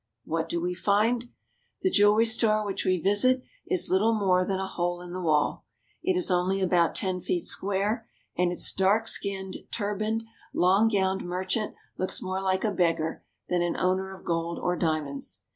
What do we find ? The jewelry store which we visit is little more than a hole in the wall. It is only about ten feet square, and its dark skinned, turbaned, long gowned merchant looks more like a beggar than an owner of gold or diamonds.